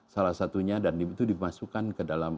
salah satunya dan itu dimasukkan ke dalam